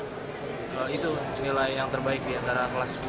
itu nilai yang terbaik diantara kelas sepuluh